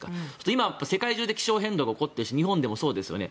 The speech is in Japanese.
今、世界中で気象変動が起こって日本でもそうですよね。